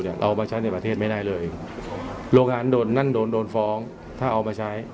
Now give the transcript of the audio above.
เอามาใช้ในประเทศไม่ได้เลยโรงงานโดนนั่นโดนโดนฟ้องถ้าเอามาใช้